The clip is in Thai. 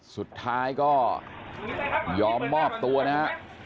สุดท้ายก็ยอมมอบตัวนะฮะ